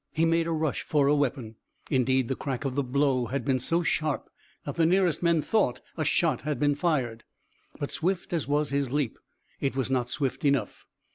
He made a rush for a weapon indeed, the crack of the blow had been so sharp that the nearest men thought a shot had been fired but swift as was his leap, it was not swift enough.